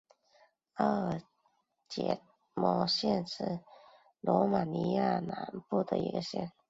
阿尔杰什县是罗马尼亚南部的一个县。